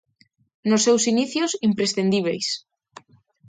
Nos seus inicios, imprescindíbeis.